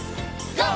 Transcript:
ＧＯ！